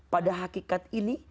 pada hakikat ini